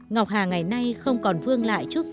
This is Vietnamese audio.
ngọc hà ngày nay không còn vương lại chút dấu